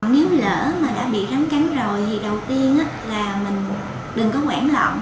nếu lỡ mà đã bị rắn cắn rồi thì đầu tiên là mình đừng có quảng lọng